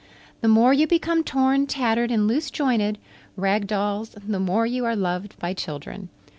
The more you become torn, tattered and loose jointed, Rag Dolls, the more you are loved by children.